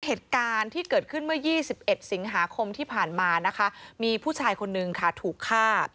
เหตุการณ์ที่เกิดขึ้นเมื่อ๒๑สิงหาคมที่ผ่านมานะคะมีผู้ชายคนนึงค่ะถูกฆ่า